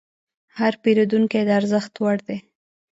هر پیرودونکی د ارزښت وړ دی.